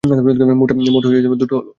মোট দুটো হলো।